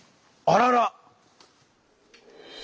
あらら！